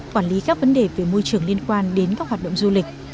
quản lý các vấn đề về môi trường liên quan đến các hoạt động du lịch